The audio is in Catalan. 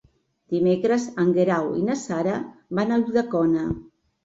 Dimecres en Guerau i na Sara van a Ulldecona.